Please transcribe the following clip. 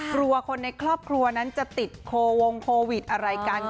กลัวคนในครอบครัวนั้นจะติดโควงโควิดอะไรกัน